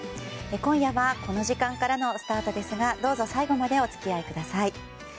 今夜はこの時間からのスタートですがどうぞ最後までお付き合いください。